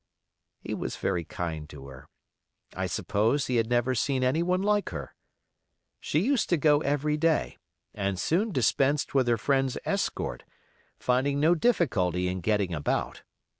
He was very kind to her. I suppose he had never seen anyone like her. She used to go every day, and soon dispensed with her friend's escort, finding no difficulty in getting about.